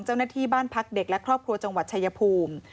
เจ้าหน้าที่บ้านพักเด็กและครอบครัวจังหวัดชายภูมิ